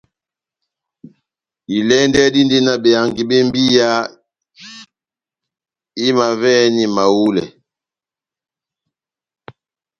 Ilɛ́ndɛ́ dindi na behangi bé mbiya imavɛhɛni mahulɛ.